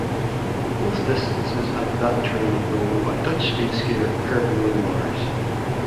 Both distances at that tournament were won by Dutch speed skater Erben Wennemars.